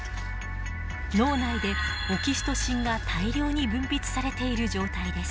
脳内でオキシトシンが大量に分泌されている状態です。